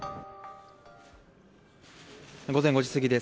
午前５時すぎです。